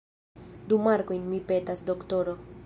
Du markojn, mi petas, doktoro.